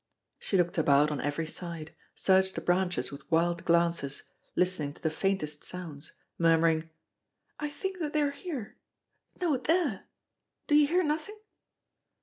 She looked about on every side, searched the branches with wild glances, listening to the faintest sounds, murmuring: "I think that they are here No, there Do you hear nothing?"